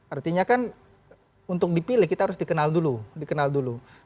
artinya kan untuk dipilih kita harus dikenal dulu